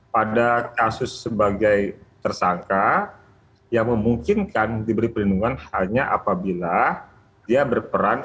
pada kasus sebagai tersangka yang memungkinkan diberi perlindungan hanya apabila dia berperan